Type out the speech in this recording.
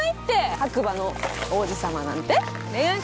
白馬の王子様なんて。